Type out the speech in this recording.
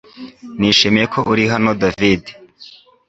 Nishimiye ko uri hano David